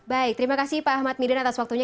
baik terima kasih pak ahmad middan atas waktunya